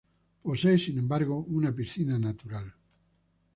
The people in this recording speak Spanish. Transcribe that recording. Posee, sin embargo, una piscina natural.